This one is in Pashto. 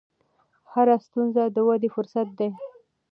هره ستونزه د ودې فرصت دی.